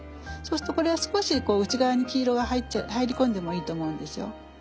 そうするとこれは少し内側に黄色が入り込んでもいいと思うんですよ。